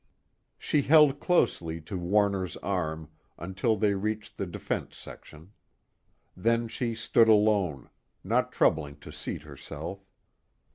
She held closely to Warner's arm until they reached the defense section; then she stood alone, not troubling to seat herself.